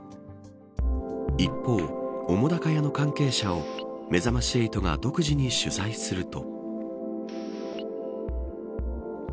一方、澤瀉屋の関係者をめざまし８が独自に取材すると。